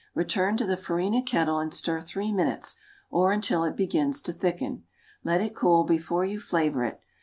Return to the farina kettle and stir three minutes, or until it begins to thicken. Let it cool before you flavor it.